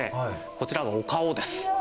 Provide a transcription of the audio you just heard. こちらがお顔です。